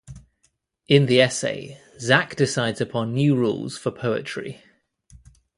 In the essay Zach decides upon new rules for poetry.